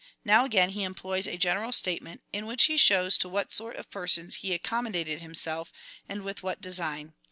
Now again he em ploys a general statement, in which he shows to what sort of persons he accommodated himself, and with what design.